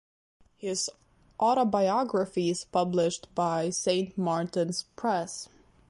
His Autobiography is published by Saint Martin's Press.